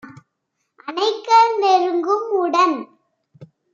அணைக்க நெருங்கும் - உடன்